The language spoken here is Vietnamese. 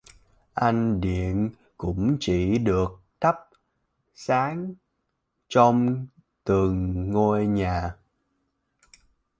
Anh điện cũng chỉ được thắp sáng trong từng ngôi nhà